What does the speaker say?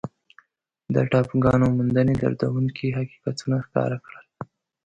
د ټاپوګانو موندنې دردونکي حقیقتونه ښکاره کړل.